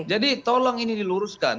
jadi tolong ini diluruskan